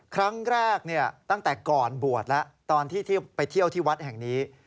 ตั้งแต่ก่อนบวชแล้วตอนที่ไปเที่ยวที่วัดแห่งนี้